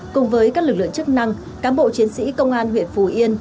cùng với các lực lượng chức năng cán bộ chiến sĩ công an huyện phù yên